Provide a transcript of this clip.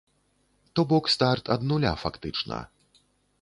То бок старт ад нуля фактычна.